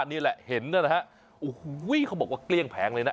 อันนี้แหละเห็นแล้วนะครับโอ้โหเขาบอกว่าเกลี้ยงแผงเลยนะ